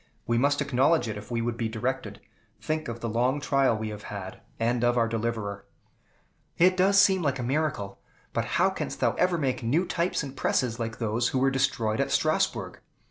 We must acknowledge it if we would be directed. Think of the long trial we have had, and of our deliverer." "It does seem like a miracle. But how canst thou ever make new types and presses like those which were destroyed at Strasbourg?"